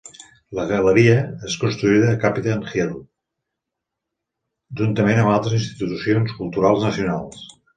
La Galeria es construiria a Capital Hill, juntament amb altres institucions culturals nacionals.